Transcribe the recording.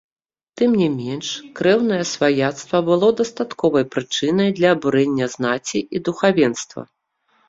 Тым не менш, крэўнае сваяцтва было дастатковай прычынай для абурэння знаці і духавенства.